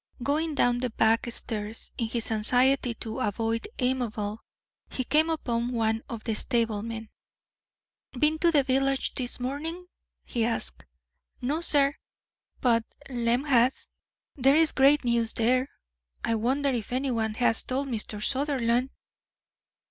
Going down the back stairs, in his anxiety to avoid Amabel, he came upon one of the stablemen. "Been to the village this morning?" he asked. "No, sir, but Lem has. There's great news there. I wonder if anyone has told Mr. Sutherland."